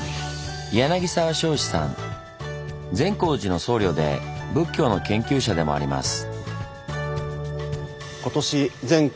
善光寺の僧侶で仏教の研究者でもあります。